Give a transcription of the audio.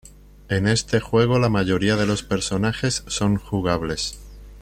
En este juego la mayoría de los personajes son jugables.